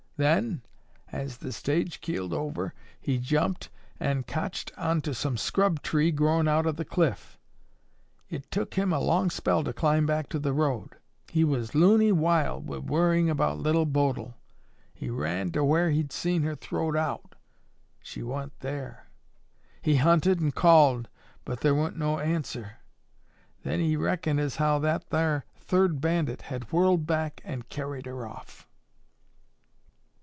Then, as the stage keeled over, he jumped an' cotched onto some scrub tree growin' out o' the cliff. It tuk him a long spell to climb back to the road. He was loony wild wi' worryin' about Little Bodil. He ran to whar he'd seen her throwed out. She wa'n't thar. He hunted an' called, but thar wa'n't no answer. Then he reckoned as how that thar third bandit had whirled back an' carried her off."